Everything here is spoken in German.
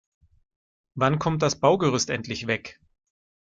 Wann kommt das Baugerüst endlich weg?